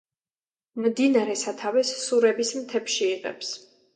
მდინარე სათავეს სურების მთებში იღებს.